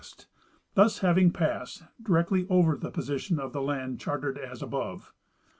thus hav ing passed directly over the position of the land charted as above.